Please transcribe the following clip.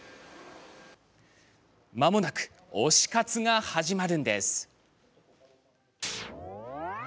まもなく推し活が始まるんです。